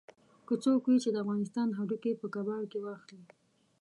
که څوک وي چې د افغانستان هډوکي په کباړ کې واخلي.